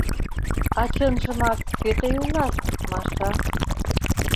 А чынжымак кӧ тый улат, Маша?